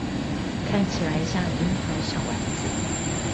看起來像櫻桃小丸子